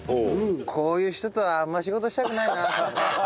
こういう人とはあんま仕事したくないなとか。